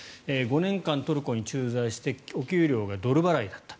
５年間トルコに駐在してお給料がドル払いだった。